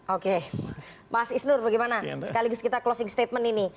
oke mas isnur bagaimana sekaligus kita closing statement ini